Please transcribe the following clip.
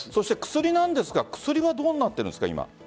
薬なんですが薬はどうなっているんですか？